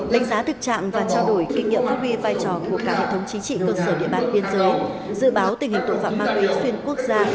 đánh giá thực trạng và trao đổi kinh nghiệm phát huy vai trò của cả hệ thống chính trị cơ sở địa bàn biên giới dự báo tình hình tội phạm ma túy xuyên quốc gia